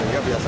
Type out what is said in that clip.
dan dari hasil